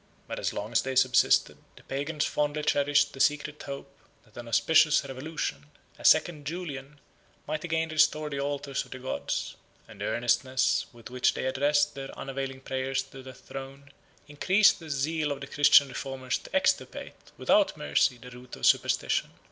But as long as they subsisted, the Pagans fondly cherished the secret hope, that an auspicious revolution, a second Julian, might again restore the altars of the gods: and the earnestness with which they addressed their unavailing prayers to the throne, 28 increased the zeal of the Christian reformers to extirpate, without mercy, the root of superstition.